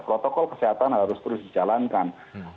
protokol kesehatan harus terus dijalankan